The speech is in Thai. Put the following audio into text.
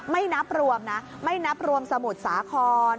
ไม่นับรวมนะไม่นับรวมสมุทรสาคร